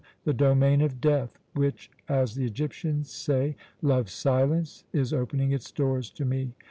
The domain of death, which, as the Egyptians say, loves silence, is opening its doors to me.